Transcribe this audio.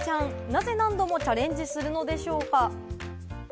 なぜ何度もチャレンジするのでしょうか？